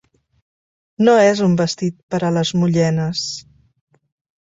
No és un vestit pera les mullenes